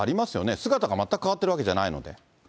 姿が全く変わってるわけじゃないので。